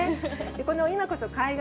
この今こそ海外！